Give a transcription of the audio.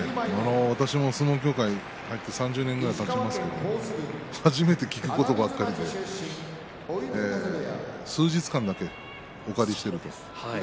私も相撲協会に入って３０年ぐらいたちますけれど初めて聞くことばかりで数日間だけお借りしている。